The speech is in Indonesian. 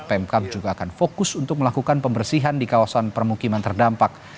pemkap juga akan fokus untuk melakukan pembersihan di kawasan permukiman terdampak